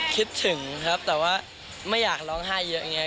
คิดถึงครับแต่ว่าไม่อยากร้องไห้เยอะอย่างนี้